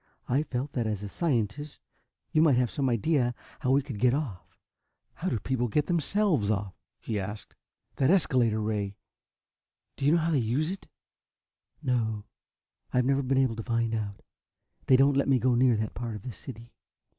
I felt that, as a scientist, you might have some idea how we could get off." "How do the people themselves get off?" he asked. "That escalator ray do you know how they use it?" "No, I've never been able to find out. They don't let me go near that part of the city."